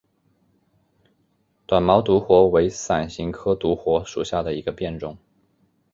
短毛独活为伞形科独活属下的一个变种。